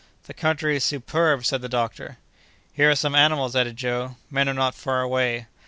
"The country is superb!" said the doctor. "Here are some animals," added Joe. "Men are not far away."